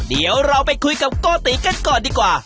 เดี๋ยวเราไปคุยกับโกติกันก่อนดีกว่า